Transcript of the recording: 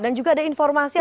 dan juga ada informasi apa